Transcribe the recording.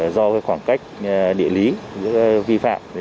do khoảng cách địa lý vi phạm